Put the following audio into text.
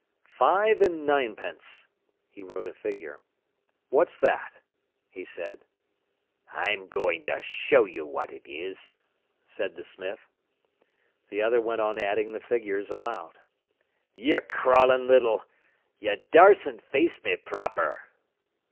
"Five and ninepence!" He wrote a figure. "What's that?" he said. "I'm going to show you what it is," said the smith. The other went on adding the figures aloud. "Yer crawlin' little—, yer daresn't face me proper!"